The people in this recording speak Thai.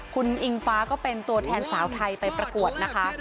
คุณอิงฟ้าก็เป็นตัวแทนสาวไทยไปประกวดนะคะ